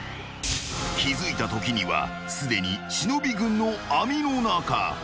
［気付いたときにはすでに忍軍の網の中］